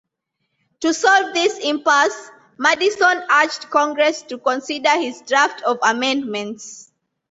To solve this impasse, Madison urged Congress to consider his draft of amendments.